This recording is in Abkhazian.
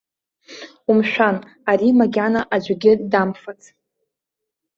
Умшәан, ари макьана аӡәгьы дамфац!